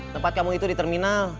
tempat kamu itu di terminal